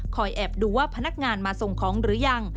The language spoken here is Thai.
แอบดูว่าพนักงานมาส่งของหรือยัง